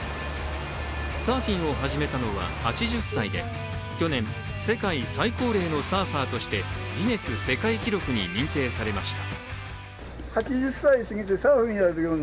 サーフィンを始めたのは８０歳で去年、世界最高齢のサーファーとしてギネス世界記録に認定されました。